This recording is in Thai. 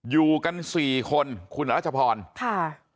อยู่กันสี่คนคุณรัชพรค่ะ